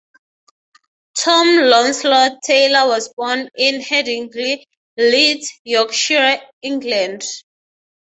Tom Launcelot Taylor was born in Headingley, Leeds, Yorkshire, England.